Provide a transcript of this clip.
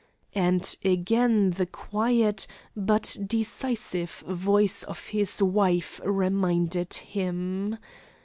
And again the quiet, but decisive voice of his wife reminded him.